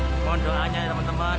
mohon doanya teman teman